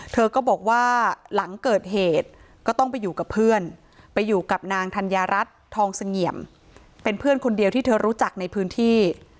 เธอก็บอกว่าหลังเกิดเหตุก็ต้องไปอยู่กับเพื่อนไปอยู่กับนางธัญญารัฐทองเสงี่ยมเป็นเพื่อนคนเดียวที่เธอรู้จักในพื้นที่